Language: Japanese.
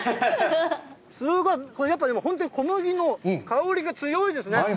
すごい、これやっぱり小麦の香りが強いですね。